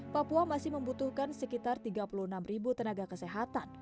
papua masih membutuhkan sekitar tiga puluh enam ribu tenaga kesehatan